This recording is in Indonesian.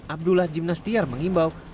abdullah jimnastiar mengimbau